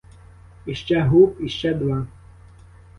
Іще гуп, іще два!